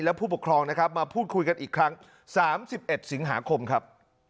และผู้ปกครองนะครับมาพูดคุยกันอีกครั้ง๓๑สิงหาคมครับ